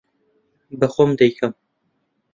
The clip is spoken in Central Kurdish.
بە خۆم دەیکەم.